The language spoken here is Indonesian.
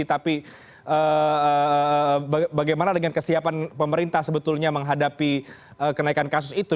tapi bagaimana dengan kesiapan pemerintah sebetulnya menghadapi kenaikan kasus itu